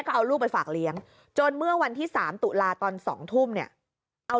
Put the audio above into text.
ก็เอาลูกไปฝากเลี้ยงจนเมื่อวันที่๓ตุลาตอน๒ทุ่มเนี่ยเอา